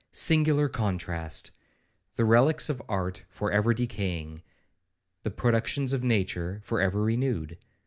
Singular contrast! The relics of art for ever decaying,—the productions of nature for ever renewed.